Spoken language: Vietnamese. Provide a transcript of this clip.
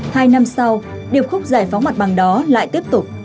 hai năm sau điệp khúc giải phóng mặt bằng đó lại tiếp tục